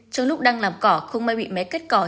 trong lúc đang làm cỏ không may bị máy cắt cỏ